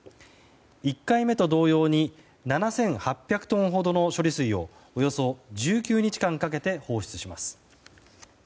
１回目と同様に７８００トンほどの処理水をおよそ１９日間かけて放出します。